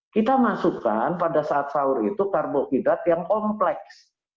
kita masukkan pada saat sahur itu karbohidrat yang kompleks